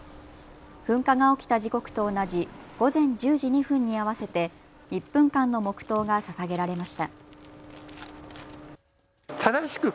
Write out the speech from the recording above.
噴火が起きた時刻と同じ午前１０時２分に合わせて１分間の黙とうがささげられました。